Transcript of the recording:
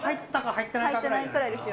入ってないぐらいですよね。